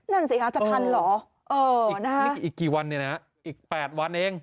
นั่นสิครับจะทันหรือเอ่อนะฮะอย่างนี้กี่วันล่ะอีก๘วันเอง